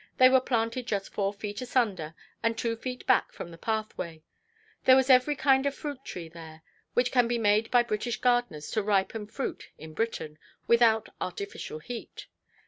They were planted just four feet asunder, and two feet back from the pathway. There was every kind of fruit–tree there, which can be made by British gardeners to ripen fruit in Britain, without artificial heat.